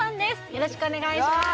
よろしくお願いします